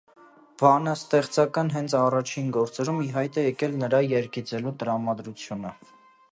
Բանաստեղծական հենց առաջին գործերում ի հայտ է եկել նրա երգիծելու տրամադրությունը։